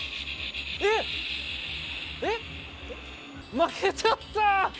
負けちゃった。